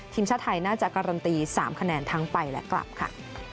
ทีมชาติไทยน่าจะการันตี๓คะแนนทั้งไปและกลับค่ะ